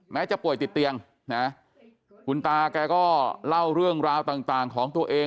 จะป่วยติดเตียงนะคุณตาแกก็เล่าเรื่องราวต่างของตัวเอง